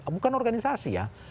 bukan organisasi ya